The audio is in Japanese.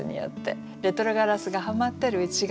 レトロガラスがはまってる内側。